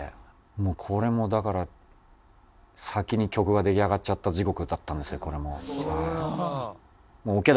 もうこれもだから先に曲が出来上がっちゃった地獄だったんですよこれも。